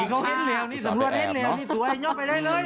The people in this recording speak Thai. นี่สำรวจแอบเนี่ยนี่ตัวเองยอบไปได้เลย